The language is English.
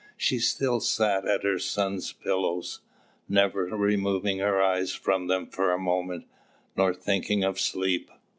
She still sat at her sons' pillow, never removing her eyes from them for a moment, nor thinking of sleep.